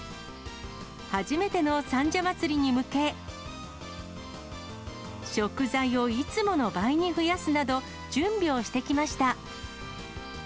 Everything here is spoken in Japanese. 初めての三社祭に向け、食材をいつもの倍に増やすなど、準備をしてきました。